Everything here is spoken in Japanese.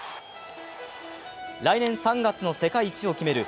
来年３月の世界一を決める